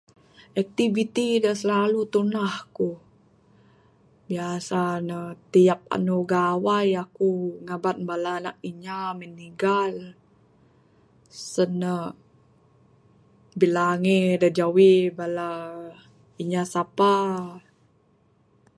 Aktiviti da silalu tunah ku... Biasa ne tiap andu gawai ku ngaban anak inya minigal sen ne bilangi da jawi bala inya sapa.